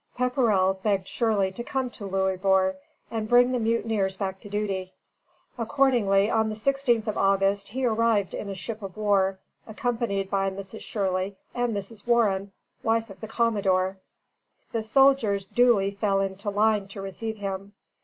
Pepperrell begged Shirley to come to Louisbourg and bring the mutineers back to duty. Accordingly, on the 16th of August he arrived in a ship of war, accompanied by Mrs. Shirley and Mrs. Warren, wife of the Commodore. The soldiers duly fell into line to receive him.